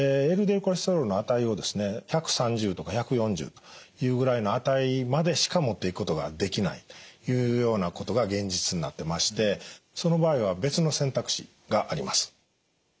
ＬＤＬコレステロールの値をですね１３０とか１４０というぐらいの値までしか持っていくことができないいうようなことが現実になってましてその場合は別の選択肢があります。